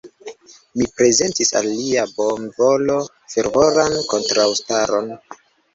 Mi prezentis al lia bonvolo fervoran kontraŭstaron.